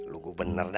lu gubener dah